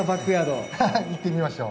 行ってみましょう。